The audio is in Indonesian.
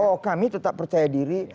oh kami tetap percaya diri